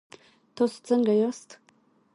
تاسو څنګ ياست؟